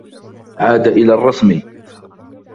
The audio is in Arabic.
عاد إلى الرّسم.